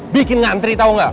bikin ngantri tau gak